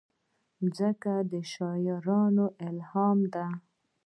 مځکه د شاعرانو الهام ده.